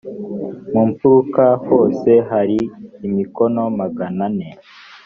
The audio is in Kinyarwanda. mu mfuruka hose hari imikono magana ane